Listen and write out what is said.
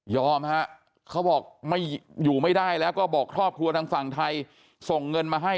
เขาบอกไม่อยู่ไม่ได้แล้วก็บอกครอบครัวทางฝั่งไทยส่งเงินมาให้